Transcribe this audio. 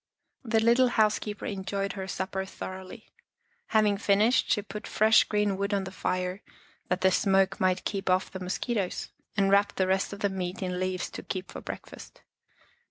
The little housekeeper enjoyed her supper thoroughly. Having finished, she put fresh green wood on the fire that the smoke might keep off the mosquitos, and wrapped the rest of the meat in leaves to keep for breakfast.